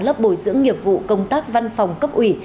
lớp bồi dưỡng nghiệp vụ công tác văn phòng cấp ủy